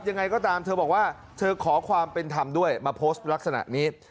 ยังไงก็ตามเธอบอกว่าเธอขอความเป็นธรรมด้วยมาโพสต์ลักษณะนี้